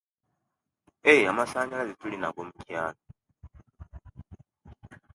Yee amasanyalaze tulinago mukyalo